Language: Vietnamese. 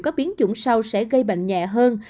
các biến chủng sau sẽ gây bệnh nhẹ hơn